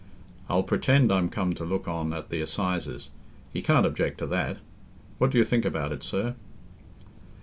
I'll pretend I'm come to look on at the assizes; he can't object to that. What do you think about it, sir?"